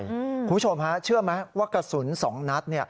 คุณผู้ชมฮะเชื่อไหมว่ากระสุน๒นัด